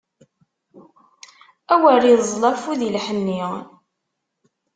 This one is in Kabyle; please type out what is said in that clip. Awer iẓẓel afud i lḥenni!